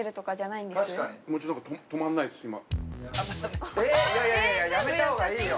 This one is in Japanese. いやいややめたほうがいいよ。